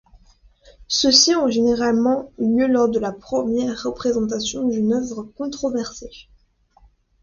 Ceux-ci ont généralement lieu lors de la première représentation d'une œuvre controversée.